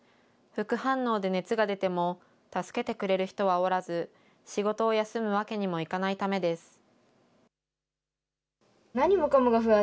副反応で熱が出ても、助けてくれる人はおらず、仕事を休むわけにもいかないためです。